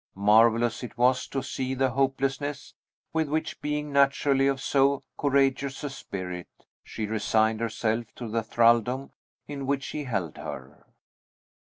Marvellous it was to see the hopelessness with which being naturally of so courageous a spirit she resigned herself to the thraldom in which he held her.